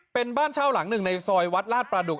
เป็นบ้านเช่าหลังหนึ่งในซอยวัดลาดประดุก